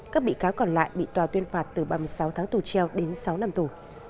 các bị cáo còn lại bị tòa tuyên phạt từ ba mươi sáu tháng tù treo đến sáu năm tù